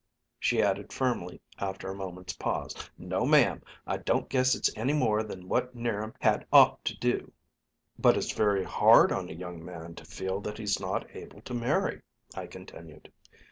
She added firmly, after a moment's pause, "No, ma'am, I don't guess it's any more than what 'Niram had ought to do." "But it's very hard on a young man to feel that he's not able to marry," I continued.